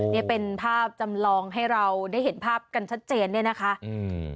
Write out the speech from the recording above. เนี่ยเป็นภาพจำลองให้เราได้เห็นภาพกันชัดเจนเนี่ยนะคะอืม